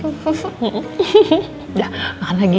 udah makan lagi